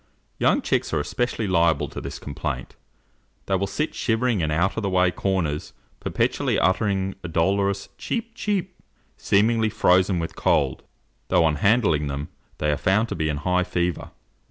Young chicks are especially liable to this complaint. They will sit shivering in out of the way corners, perpetually uttering a dolorous "chip, chip;" seemingly frozen with cold, though, on handling them, they are found to be in high fever.